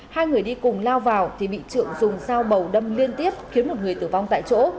hai người đi cùng lao vào thì bị trượng dùng dao bầu đâm liên tiếp khiến một người tử vong tại chỗ